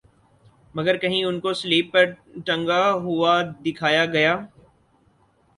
مگر کہیں انکو صلیب پر ٹنگا ہوا دکھایا گیا